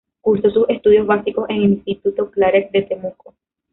Cursó sus estudios básicos en el Instituto Claret de Temuco.